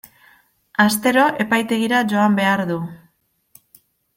Astero epaitegira joan behar du.